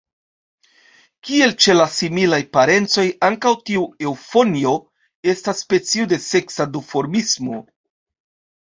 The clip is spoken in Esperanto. Kiel ĉe la similaj parencoj, ankaŭ tiu eŭfonjo estas specio de seksa duformismo.